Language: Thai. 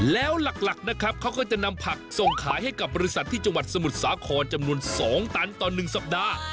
แล้วหลักนะครับเขาก็จะนำผักส่งขายให้กับบริษัทที่จังหวัดสมุทรสาครจำนวน๒ตันต่อ๑สัปดาห์